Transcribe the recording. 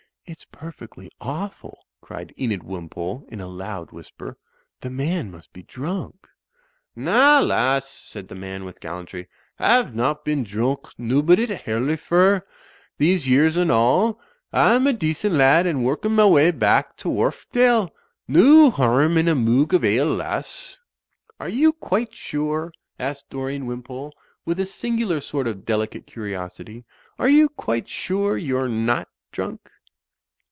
"It's perfectly awful," cried Enid Wimpole, in a loud whisper, "the man must be drunk." "Na, lass," said the man with gallantry, "a've not Digitized by CjOOQIC THE TURK AND THE FUTURISTS 257 been droonk, nobbut at Hurley Fair, these years and all; a'm a decent lad and workin* ma way bacH t'Wharfdale. No harm in a moog of ale, lass/' "Are you quite sure," asked Dorian Wimpole, with a singular sort of delicate curiosity, "are you quite sure you're not drunk."